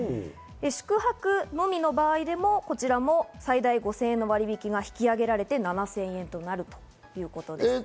宿泊のみの場合でも最大５０００円の割引が引き上げられて７０００円となるということです。